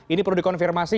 ini perlu dikonfirmasi